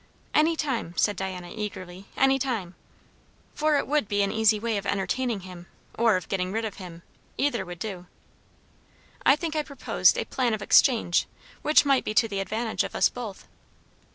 "Any time," said Diana eagerly; "any time!" For it would be an easy way of entertaining him, or of getting rid of him. Either would do. "I think I proposed a plan of exchange, which might be to the advantage of us both."